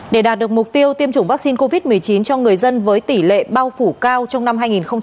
để đạt được mục tiêu tiêm chủng vaccine covid một mươi chín cho người dân với tỷ lệ bao phủ cao trong năm hai nghìn hai mươi